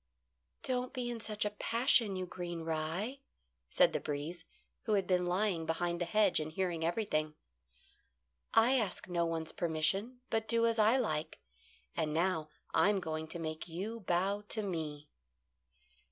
"Don't be in such a passion, you green rye," said the breeze, who had been lying behind the hedge and hearing everything. "I ask no one's permission, but do as I like; and now I'm going to make you bow to me."